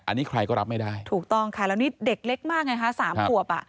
อันนี้ใครก็รับไม่ได้ถูกต้องค่ะแล้วนี่เด็กเล็กมากไงคะสามขวบอ่ะ